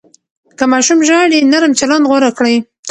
که ماشوم ژاړي، نرم چلند غوره کړئ.